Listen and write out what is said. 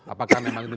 apakah memang itu